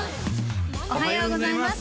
おはようございます